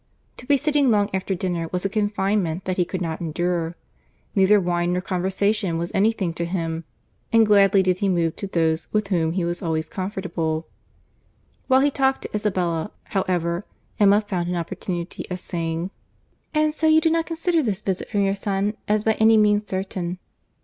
To be sitting long after dinner, was a confinement that he could not endure. Neither wine nor conversation was any thing to him; and gladly did he move to those with whom he was always comfortable. While he talked to Isabella, however, Emma found an opportunity of saying, "And so you do not consider this visit from your son as by any means certain.